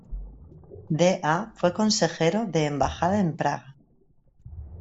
De a fue consejero de embajada en Praga.